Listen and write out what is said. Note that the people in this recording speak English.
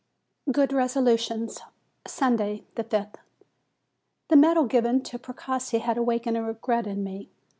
GOOD RESOLUTIONS Sunday, 5th. The medal given to Precossi has awakened a regret in me.